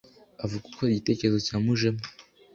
Avuga uko igitekerezo cyamujemo